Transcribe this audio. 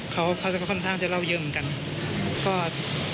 เขาจะค่อนข้างจะเล่าเยอะเหมือนกัน